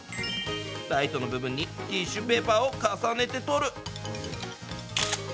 ライトの部分にティッシュペーパーを重ねて撮る。